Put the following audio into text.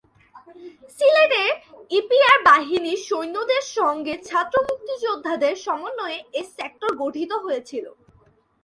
সিলেটের ইপিআর বাহিনীর সৈন্যদের সঙ্গে ছাত্র মুক্তিযোদ্ধাদের সমন্বয়ে এ সেক্টর গঠিত হয়েছিলো।